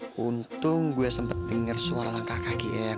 kayaknya gue sempet denger suara orang kakak ian